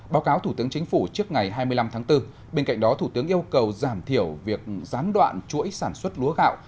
báo cáo thủ tướng chính phủ trước ngày hai mươi năm tháng bốn bên cạnh đó thủ tướng yêu cầu giảm thiểu việc gián đoạn chuỗi sản xuất lúa gạo